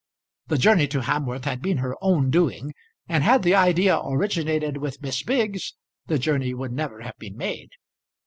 The journey to Hamworth had been her own doing, and had the idea originated with Miss Biggs the journey would never have been made.